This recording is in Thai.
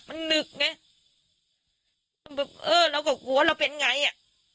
มันหนึกไงมันแบบเออเราก็กลัวเราเป็นไงอ่ะ